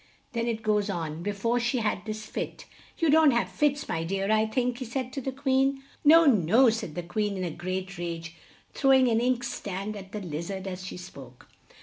Then it goes on, 'before she had this fit' you don't have fits, my dear, I think?" he said to the Queen. "No! no!" said the Queen in a great rage, throw ing an ink stand at the Liz ard as she spoke.